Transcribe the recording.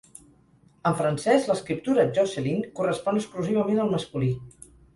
En francès, l'escriptura "Jocelyn" correspon exclusivament al masculí.